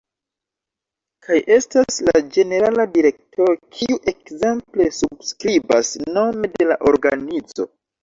Kaj estas la ĝenerala direktoro kiu ekzemple subskribas nome de la organizo.